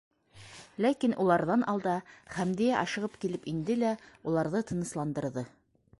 Ләкин уларҙан алда Хәмдиә ашығып килеп инде лә уларҙы тынысландырҙы.